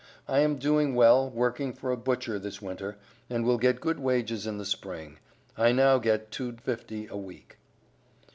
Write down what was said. I am doing well working for a Butcher this winter, and will get good wages in the spring I now get $2,50 a week.